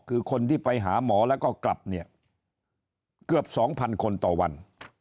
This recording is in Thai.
คือคนที่ไปหาหมอแล้วก็กลับเนี่ยเกือบ๒๐๐คนต่อวัน